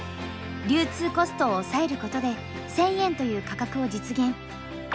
流通コストを抑えることで１，０００円という価格を実現。